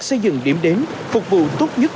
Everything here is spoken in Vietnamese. xây dựng điểm đến phục vụ tốt nhất